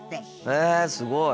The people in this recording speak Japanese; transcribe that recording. へえすごい！